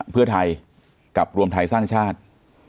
เพื่อไทยกับรวมไทยสร้างชาติ